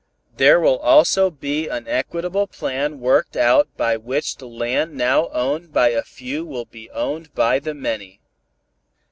There will also be an equitable plan worked out by which the land now owned by a few will be owned by the many.